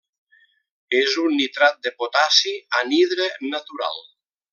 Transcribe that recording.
És un nitrat de potassi anhidre natural.